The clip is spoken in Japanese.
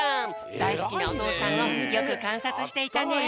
だいすきなおとうさんをよくかんさつしていたね。